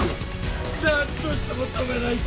なんとしても止めないと！